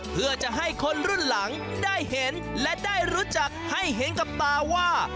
เพื่อจะให้คนรุ่นหลังได้เห็นและได้รู้จักให้เห็นกับตาว่า